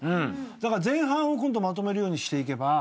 だから前半を今度まとめるようにしていけば。